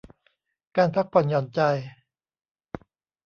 การพักผ่อนหย่อนใจ